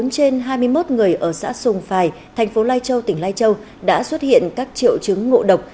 một mươi bốn trên hai mươi một người ở xã sùng phài tp lai châu tỉnh lai châu đã xuất hiện các triệu chứng ngộ độc